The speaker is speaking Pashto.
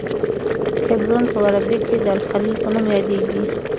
حبرون په عربي کې د الخلیل په نوم یادیږي.